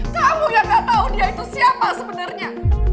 kamu yang gak tahu dia itu siapa sebenarnya